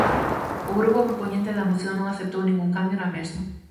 O grupo propoñente da moción non aceptou ningún cambio na mesma.